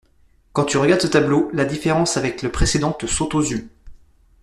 Quand tu regardes ce tableau, la différence avec le précédent te saute aux yeux.